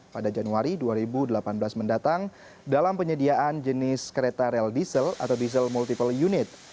pada januari dua ribu delapan belas mendatang dalam penyediaan jenis kereta rel diesel atau diesel multiple unit